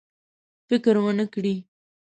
فکر ونه کړي.